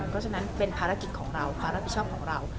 เพราะฉะนั้นเป็นภารกิจของเราความรับผิดชอบของเรา